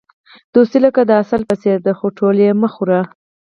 دوستي لکه د عسل په څېر ده، خو ټوله یې مه خوره.